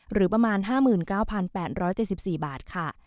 หรือประมาณ๕๙๘๗๔บาทค่ะ